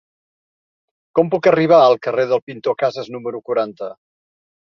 Com puc arribar al carrer del Pintor Casas número quaranta?